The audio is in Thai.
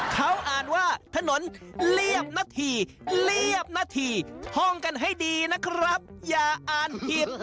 เขาอ่านว่าถนนเรียบนาทีเรียบนาทีท่องกันให้ดีนะครับอย่าอ่านผิด